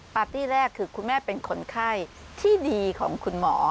ปาร์ตี้แรกคือคุณแม่เป็นคนไข้ที่ดีของคุณหมอ